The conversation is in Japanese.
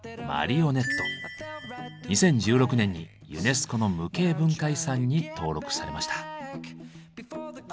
２０１６年にユネスコの無形文化遺産に登録されました。